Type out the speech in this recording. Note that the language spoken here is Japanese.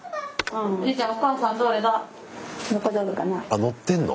あっ載ってんの？